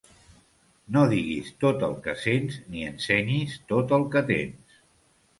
No diguis tot el que sents, ni ensenyis tot el que tens.